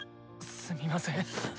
すみません。